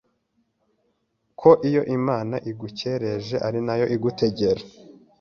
ko iyo Imana igucyereje ari nayo igutegera